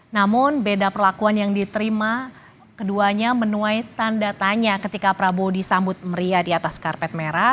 namun beda perlakuan yang diterima keduanya menuai tanda tanya ketika prabowo disambut meriah di atas karpet merah